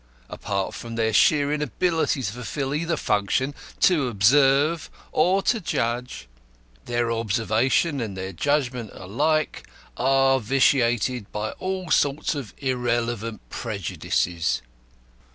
Apart from their sheer inability to fulfil either function to observe, or to judge their observation and their judgment alike are vitiated by all sorts of irrelevant prejudices."